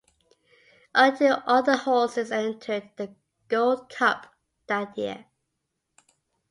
Only two other horses entered the Gold Cup that year.